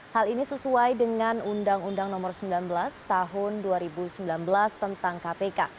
hal ini sesuai dengan undang undang nomor sembilan belas tahun dua ribu sembilan belas tentang kpk